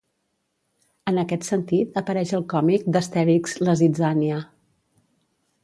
En aquest sentit apareix al còmic d'Astèrix La zitzània.